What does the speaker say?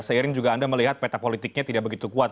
seiring juga anda melihat peta politiknya tidak begitu kuat